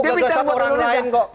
dia bicara orang lain kok